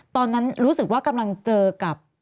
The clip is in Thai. ตอนนั้นรู้สึกว่ากำลังเจอกับ